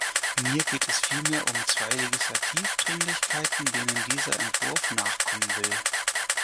Mir geht es vielmehr um zwei Legislativdringlichkeiten, denen dieser Entwurf nachkommen will.